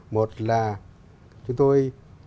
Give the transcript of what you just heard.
một là chúng tôi